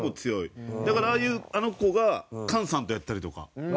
だからああいうあの子が漢さんとやったりとか。